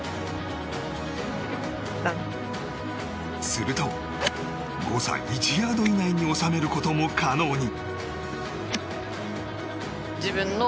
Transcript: すると、誤差１ヤード以内に収めることも可能に。